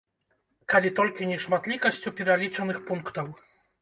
Калі толькі нешматлікасцю пералічаных пунктаў.